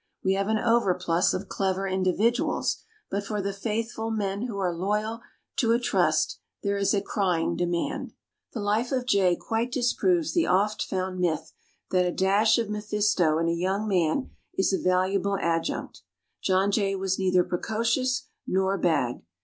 We have an overplus of clever individuals; but for the faithful men who are loyal to a trust there is a crying demand. The life of Jay quite disproves the oft found myth that a dash of Mephisto in a young man is a valuable adjunct. John Jay was neither precocious nor bad.